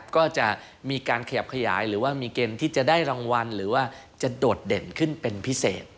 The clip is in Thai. ก็จะมีการขยับขยายหรือว่ามีเกณฑ์ที่จะได้รางวัลหรือว่าจะโดดเด่นขึ้นเป็นพิเศษ